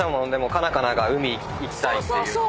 カナカナが海行きたいっていうのが。